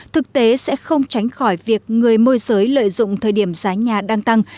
thực tế sẽ không tránh khỏi việc người môi giới lợi dụng thời điểm giá nhà đang tăng